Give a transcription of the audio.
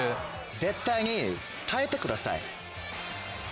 絶対に耐えてください。